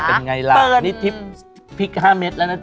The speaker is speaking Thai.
เป็นไงล่ะนี่พลิก๕เมตรแล้วนะจ๊ะ